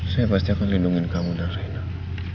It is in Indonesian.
saya pasti akan lindungi kamu dari